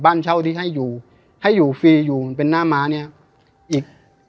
บ้านเช่าที่ให้อยู่ให้อยู่ฟรีอยู่มันเป็นหน้าม้าเนี้ยอีก